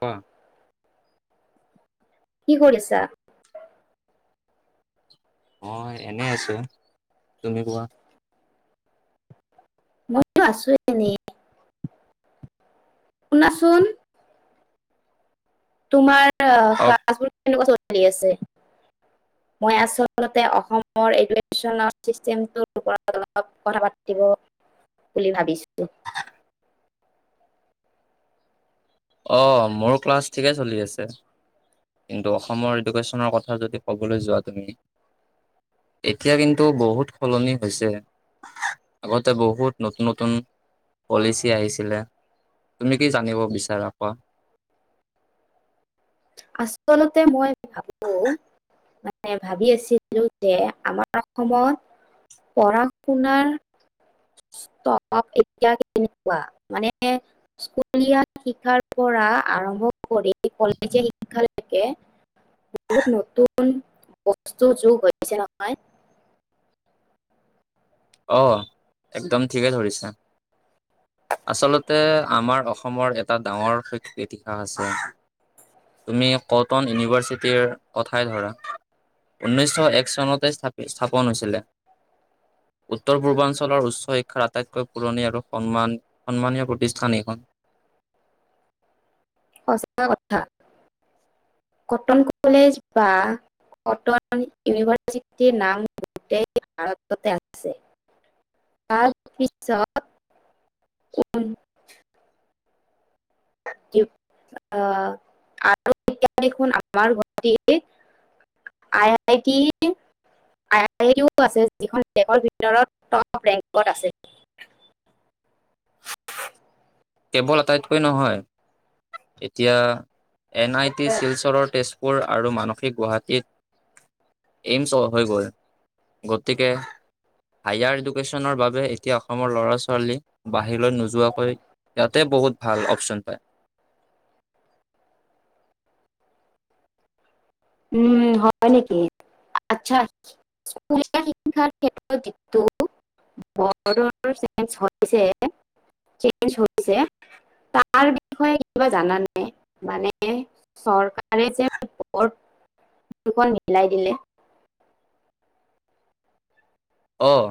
অ। কি কৰিছা? অ এনেই আছো, তুমি কোৱা। মইয়ো আছো এনেই, শুনাচোন। তোমাৰ অ ক্লাছ বোৰ কেনে কোৱা চলি মই আচলতে অসমৰ [unintelligible] ওপৰত অলপ কথা পাতিব বুলি ভাবিছো। [unintelligible] অঁ মোৰ ক্লাছ ঠিকেই চলি আছে ।কিন্তু অসমৰ এডুকেশ্যনৰ কথা যদি ক'বলৈ যোৱা তুমি এতিয়া কিন্তু বহুত সলনি হৈছে, আগতে বহুত নতুন নতুন পলিচি আহিছিলে। তুমি কি জানিব বিচাৰা? কোৱা। আচলতে মই ভাবো মানে ভাবি আছিলো যে আমাৰ অসমত পঢ়া শুনাৰ এতিয়া কেনেকুৱা মানে স্কুলীয়া শিক্ষাৰ পৰা আৰম্ভ কৰি [unintelligible] লৈকে বহুত নতুন বস্তু যোগ হৈছে নহয়। অ একদম ঠিকেই ধৰিছা ।আচলতে আমাৰ অসমৰ এটা ডাঙৰ শৈক্ষিক ইতিহাস আছে তুমি কটন ইউনিভাৰ্চিটিৰ কথাই ধৰা ঊনৈছশ এক চনতে স্থাপন হৈছিলে। উত্তৰ পূৰ্বাঞ্চলৰ উচ্চ শিক্ষাৰ আটাইতকৈ পুৰণি আৰু সন্মান সন্মানীয় প্ৰতিষ্ঠান এইখন। সঁচা কথা। কটন কলেজ বা কটন ইউনিভাৰ্চিটিৰ নাম গোটেই ভাৰততে আছে ।তাৰ পিছত আহ আৰু এতিয়া দেখোন আমাৰ গুৱাহাটীত আই আইটি আই আই টিও আছে যিখন দেশৰ ভিতৰত টপ ৰেংকত আছে। কেৱল আটাইতকৈ নহয় ।এতিয়া এন আই টি শিলচৰৰ তেজপুৰ আৰু মানসিক গুৱাহাটীত এইমছ হৈ গ'ল গতিকে হায়াৰ এডুকেশ্যনৰ বাবে এতিয়া অসমৰ ল'ৰা ছোৱালী বাহিৰলৈ নোযোৱাকৈ ইয়াতে বহুত ভাল অপচন পায়। উম হয় নেকি? আচছা স্কুলীয়া শিক্ষাৰ ক্ষেত্ৰত যিটো [unintelligible] হৈছে তাৰ বিষয়ে কিবা জানানে মানে চৰকাৰে যে দুখন মিলাই দিলে। অঁ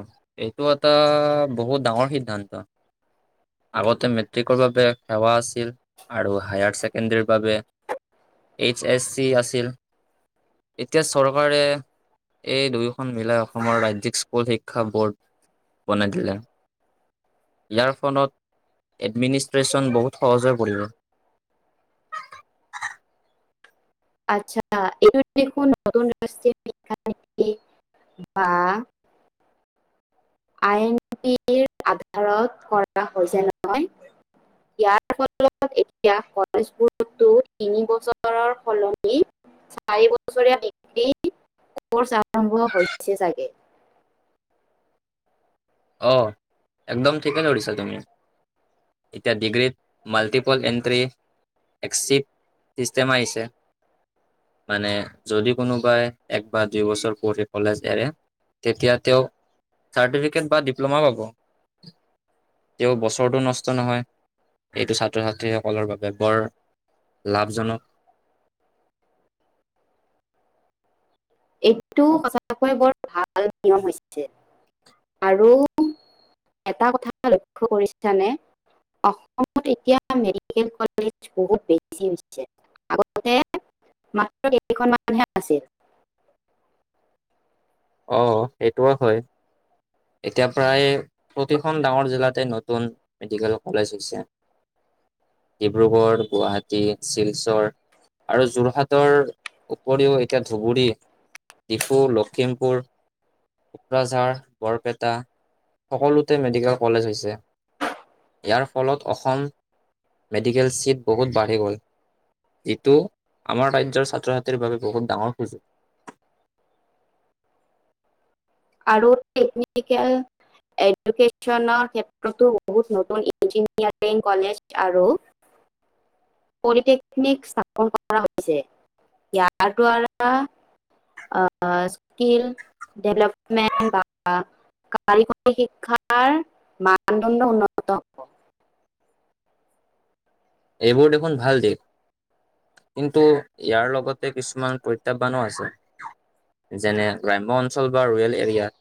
এইটো এটা বহুত ডাঙৰ সিদ্ধান্ত ।আগতে মেট্ৰিকৰ বাবে সেৱা আছিল আৰু হায়াৰ ছেকেণ্ডৰীৰ বাবে এইচ এছ চি আছিল এতিয়া চৰকাৰে এই দুয়োখন মিলাই অসমৰ ৰাজ্যিক স্কু স্কুল শিক্ষা বোৰ্ড বনাই দিলে, ইয়াৰ ফলত এডমিনিষ্ট্ৰেশ্যন বহুত সহজ হৈ পৰিব। আচ্ছা, এইটো দেখোন নতুন [unintelligible] শিক্ষা নীতী বা আইন পিৰ আধাৰত কৰা হৈছে নহয়? ইয়াৰ ফলত এতিয়া কলেজবোৰতো তিনি বছৰৰ সলনি চাৰি বছৰীয়া ডিগ্ৰী কৰ্চ আৰম্ভ হৈছে চাগে। অ একদম ঠিকে ধৰিছা তুমি। এতিয়া ডিগ্ৰীত মাল্টিপল এণ্ট্ৰি, এক্সিপ চিষ্টেম আহিছে, মানে যদি কোনোবাই এক বা দুই বছৰ পঢ়ি কলেজ এৰে তেতিয়া তেওঁ চাৰ্টিফিকেট বা ডিপ্ল'মা পাব তেওঁ বছৰটো নষ্ট নহয় এইটো ছাত্ৰ ছাত্ৰীসকলৰ বাবে বৰ লাভজনক। এইটো সঁচাকৈ বৰ ভাল নিয়ম হৈছে ।আৰু এটা কথা লক্ষ্য কৰিছানে অসমত এতিয়া মেডিকেল কলেজ বহুত বেছি হৈছে। আগতে মাত্ৰ কেইখনমানহে আছিল। অ সেইটোও হয়। এতিয়া প্ৰায় প্ৰতিখন ডাঙৰ জিলাতে নতুন মেডিকেল কলেজ হৈছে ডিব্ৰুগড়, গুৱাহাটী, শিলচৰ আৰু যোৰহাটৰ উপৰিও এতিয়া ধুবুৰী, ডিফু, লখিমপুৰ, কোকৰাঝাৰ বৰপেটা সকলোতে মেডিকেল কলেজ হৈছে। ইয়াৰ ফলত অসম মেডিকেল চিট বহুত বাঢ়ি গ'ল ।যিটো আমাৰ ৰাজ্যৰ ছাত্ৰ ছাত্ৰীৰ বাবে বহুত ডাঙৰ সুযোগ। আৰু টেকনিকেল এডুকেশ্যনৰ ক্ষেত্ৰতো বহুত নতুন ইঞ্জিনিয়াৰিং কলেজ আৰু পলিটেকনিক স্থাপন কৰা হৈছে, ইয়াৰ দ্বাৰা আহ স্কিল ডেভেলপমেণ্ট বা কাৰিকৰী শিক্ষাৰ মানদণ্ড উন্নত হ'ব। এইবোৰ দেখোন ভাল দিশ। কিন্তু ইয়াৰ লগতে কিছুমান প্ৰত্যাহ্বানো আছে যেনে- গ্ৰাম্য অঞ্চল বা ৰুৰেল এৰিয়াত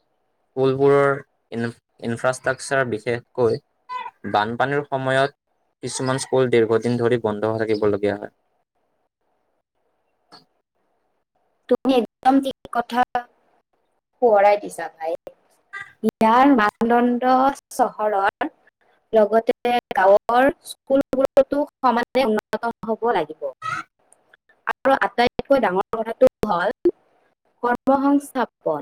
পোলবোৰৰ ইন ইনফ্ৰাষ্ট্ৰাকচাৰ বিশেষকৈ বানপানীৰ সময়ত কিছুমান পুল দীৰ্ঘদিন ধৰি বন্ধ থাকিবলগীয়া হয়। তুমি একদম ঠিক কথা সোঁৱৰাই দিছা ভাই, ইয়াৰ মানদণ্ড চহৰৰ লগতে গাঁৱৰ স্কুলবোৰতো সমানে উন্নত হব লাগিব। আৰু আটাইতকৈ ডাঙৰ কথাটো হ'ল-কৰ্মসস্থাপন,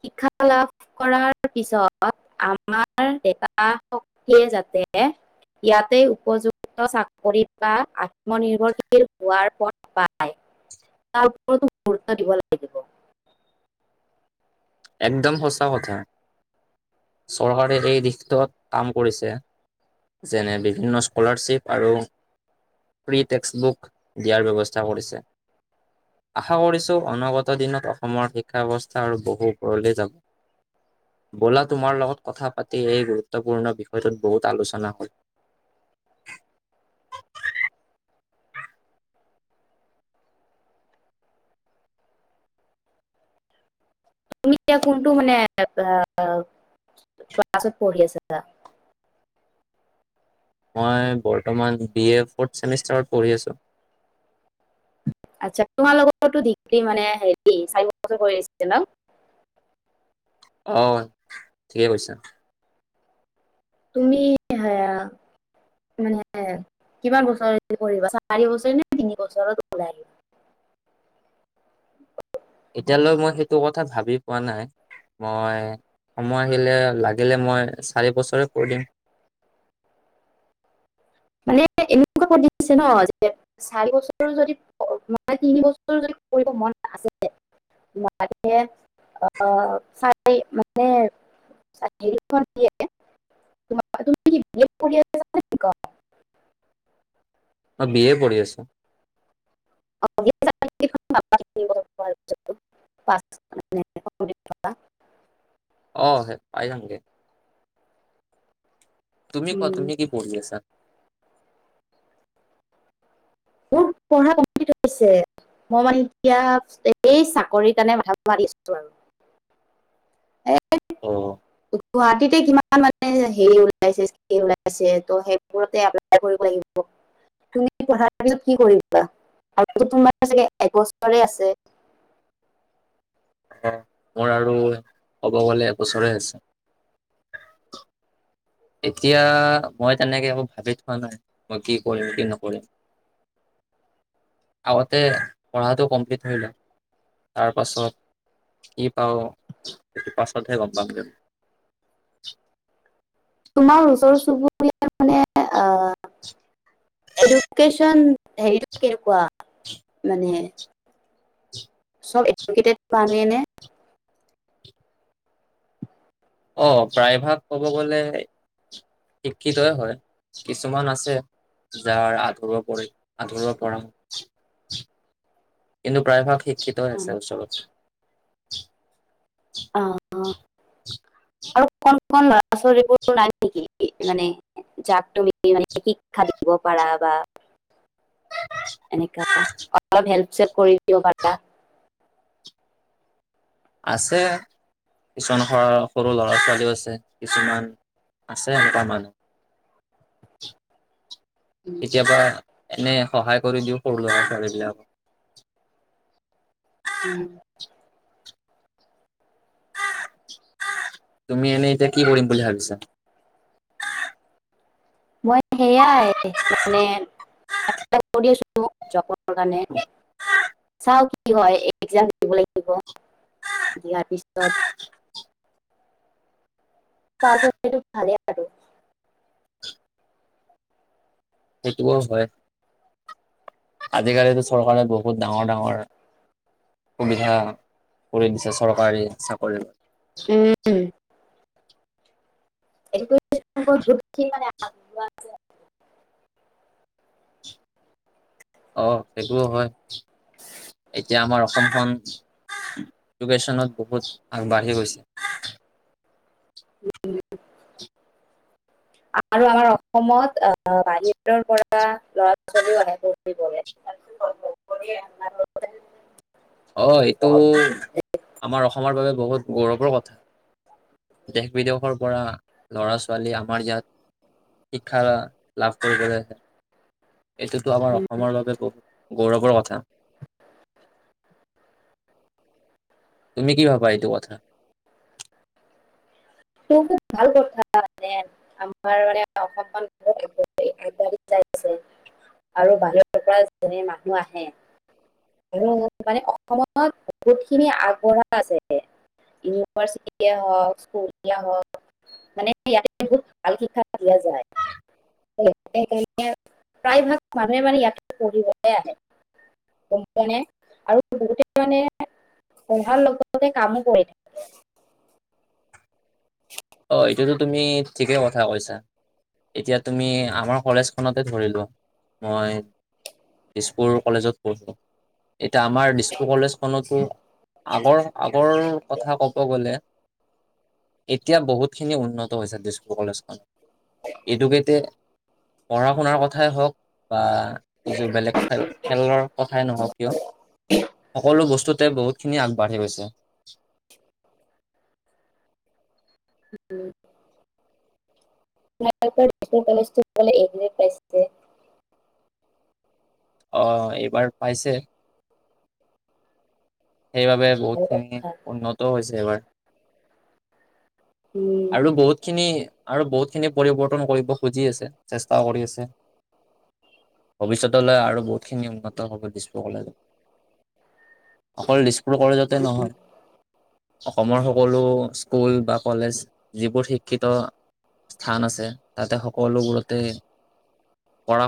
শিক্ষা লাভ কৰাৰ পিছত, আমাৰ ডেকা শক্তিয় যাতে ইয়াতে উপযুক্ত চাকৰিত বা আত্মনিৰ্ভৰশীল হোৱাৰ পথ পায়। তাৰ ওপৰতো গুৰুত্ব দিব লাগিব। একদম সঁচা কথা। চৰকাৰে এই দিশটোত কাম কৰিছে, যেনে- বিভিন্ন স্কলাৰশ্বিপ আৰু ফ্ৰী টেক্সবুক দিয়াৰ ব্যৱস্থা কৰিছে আশা কৰিছোঁ অনাগত দিনত অসমৰ শিক্ষা ব্যৱস্থা আৰু বহু উপৰলৈ যাব। বলা, তোমাৰ লগত কথা পাতি এই গুৰুত্বপূৰ্ণ বিষয়টোত বহুত আলোচনা হল। তুমি এতিয়া কোনটো মানে আহ ক্লাছত পঢ়ি আছা? মই বৰ্তমান বি এ ফ'ৰ্থ চেমিষ্টাৰত পঢ়ি আছোঁ। আচ্ছা, তোমাৰ লগতো ডিগ্ৰী মানে হেৰি চাৰি বছৰ হৈ আছে ন? অহ, ঠিকেই কৈছা। তুমি সেয়া, মানে কিমান বছৰে হেৰি কৰিবা চাৰি বছৰে নে তিনি বছৰত ওলাই আহিবা? এতিয়ালৈ মই সেইটো কথা ভাবি পোৱা নাই। মই সময় আহিলে লাগিলে মই চাৰি বছৰে কৰি দিম। মানে, এনেকুৱাকে দিছে ন যে চাৰি বছৰৰো যদি মানে তিনি বছৰ যদি কৰিব মন আছে চি মানে চ দিয়েমি নেকি [unintelligible] [unintelligible] মই বি য়ে পঢ়ি আছো। [unintelligible] অ', হে পাই যামগে তুমি কোৱা উম, তুমি কি পঢ়ি আছা? মোৰ পঢ়া কমপ্লিট হৈছে। মই মানে এতিয়া এই চাকৰিৰ কাৰণে মাথা মাৰি আছো আৰু এ অ', গুৱাহাটীতে কিমান মানে সেই ওলাইছে, স্কিম ওলাইছে, সেইবোৰতে এপ্লাই কৰিব লাগিব, তুমি পঢ়া পাছত কি কৰিবা? আৰু তোমাৰ ছাগে এবছৰে আছে। অ, মোৰ আৰু ক'ব গ'লে এবছৰে আছে। এতিয়া, মই তেনেকে একো ভাবি থোৱা নাই। মই কি কৰিম, কি নকৰিম, আগতে পঢ়াটো কমপ্লিট হৈ লক, তাৰ পাছত কি পাওঁ সেটো পাছতহে গম পাম যে। তোমাৰ ওচৰ চুবুৰীয়াৰ, মানে অহ এডুকেচন হেৰিটো কেনেকুৱা মানে? চব এডুকেটট প্ৰাণী নে? অ, প্ৰায়ভাগ ক'ব গ'লে শিক্ষিতই হয়। কিছুমান আছে যাৰ আধৰুৱা পঢ়ে আধৰুৱা পঢ়া, কিন্তু প্ৰায়ভাগ শিক্ষিতয়ে আছে ওচৰত। [unintelligible] অহ আৰু কন-কন, ল'ৰা-ছোৱালীবোৰ নাই নেকি? মানে যাক তুমি মানে শিক্ষা দিব পাৰা বা এনেকা অলপ হেল্প চেপ কৰি দিব পাৰা। আছে, কিছুমান সৰু ল'ৰা-ছোৱালীও আছে, কিছুমান আছে এনেকুৱা মানুহ। কেতিয়াবা এনে সহায় কৰি দিওঁ সৰু ল'ৰা-ছোৱালী বিলাকক। উম। তুমি এনেই এতিয়া কি কৰিম বুলি ভাবিছা? মই সেইয়াই, মানে কৰি আছো জপত। সেইকাৰণে চাও কি হয় এক্সাম দিব লাগিব, দিয়াৰ পিছত পাছ হ'লে টো ভালে আৰু। সেইটোও হয়। আজিকালিতো চৰকাৰে বহুত ডাঙৰ-ডাঙৰ সুবিধা কৰি দিছে, চৰকাৰী চাকৰি উম, অ, সেইটোও হয়। এতিয়া আমাৰ অসমখন এডুকেশ্যনত বহুত আগবাঢ়ি গৈছে। আৰু আমাৰ অসমত আহ বাহিৰৰ পৰা লৰা ছোৱালীও আহে পঢ় প অ সেইটো আমাৰ অসমৰ বাবে। বহুত গৌৰৱৰ কথা দেশ বিদেশৰ পৰা ল'ৰা ছোৱালী আমাৰ ইয়াত শিক্ষা লাভ কৰিবলৈে এইটোতো আমাৰ অসমৰ বাবে বহুত গৌৰৱৰ কথা। তুমি কি ভাবা এইটো কথা। টো ভাল কথা মানে আমাৰ মানে অসমখন বহত আগবা় আগবাঢ়ি যাইছে আৰু বাহিৰৰ পৰা যেনে মানুহ আহে আৰু মানে অসমত বহুতখিনি আগবঢ়া আছে ইউনিভাৰ্চিটিয় হওক স্কুল হওক মানে ইতে বহুত ভাল শিক্ষা দিয়া যায় সকাৰে প্ৰায় ভাগ মানুহে মানে ইয়াত পঢ়িবলৈ আহে কে আৰু বহুতে মানে পঢ়াৰ লগে লগে কামো কৰি থাকে অ এইটোতো তুমি ঠিকেই কথা কৈছা এতিয়া তুমি আমাৰ কলেজখনতে ধৰিলো মই দিজপুৰ কলেজত পঢ়ো। এতিয়া আমাৰ স্কুল কলেজখনতো আগৰ আগৰ কথা ক'ব গ'লে এতিয়া বহুত ত খিনি উন্নত হৈছে তেজপুৰ কলেজখন এডোকেইট পঢ়া শুনাৰ কথাই হওক বা এইযোৰ বেলেগ খেল খেলৰ কথাই নহওক কিয় সকলো বস্তুতে বহুতখিনি আগবাঢ়ি গৈছে। উম মেডিকেল কলেজটো কলে এগ্ৰেড পাইছে। অ এইবাৰ পাইছে। সেইবাবে ভাল বহুতখিনি কথা। উন্নত হৈছে এইবাৰ। উম আৰু বহুত খিনি আৰু বহুত। বহুত খিনি পৰিৱৰ্তন কৰিব খুজি আছে চেষ্টা কৰি আছে ভৱিষ্যতলৈ আৰু বহুতখিনি উন্নত হ দিছপোৰ কলেজৰ। অকল দিছপুৰ কলেজতে নহয় অসমৰ সকলো স্কুল বা কলেজ যিবোৰ শিক্ষিত স্থান আছে তাতে সকলোবোৰতে পঢ়া